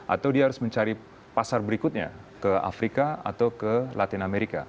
atau dia harus mencari pasar berikutnya ke afrika atau ke latin amerika